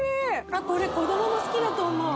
あっこれ子供も好きだと思う